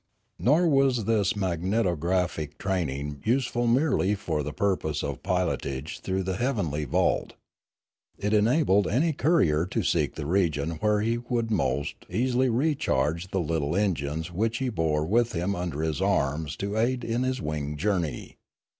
Nor was this magnetographic training useful merely for the purpose of pilotage through the heavenly vault. It enabled any courier to seek the region where he would most easily recharge the little en gines which he bore with him under his arms to aid in his wing journey.